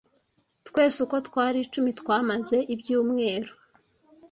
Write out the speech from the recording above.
Twese uko twari icumi twamaze ibyumweru